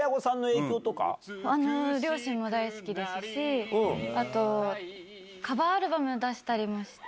両親も大好きですし、あと、カバーアルバム出したりもして。